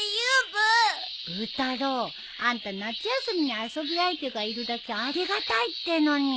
ブー太郎あんた夏休みに遊び相手がいるだけありがたいってのに。